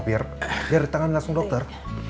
biar di tangan langsung dokter